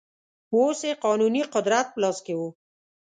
اوس یې قانوني قدرت په لاس کې و.